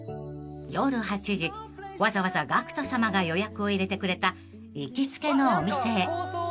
［わざわざＧＡＣＫＴさまが予約を入れてくれた行きつけのお店へ］